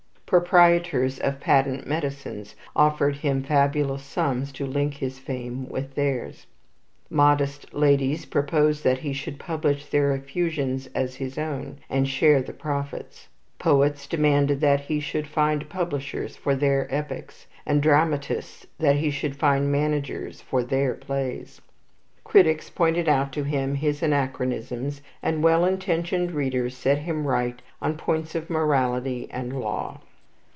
Proprietors of patent medicines offered him fabulous sums to link his fame with theirs. Modest ladies proposed that he should publish their effusions as his own, and share the profits. Poets demanded that he should find publishers for their epics, and dramatists that he should find managers for their plays. Critics pointed out to him his anachronisms, and well intentioned readers set him right on points of morality and law.